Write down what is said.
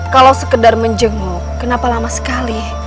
kalau sekedar menjenguk kenapa lama sekali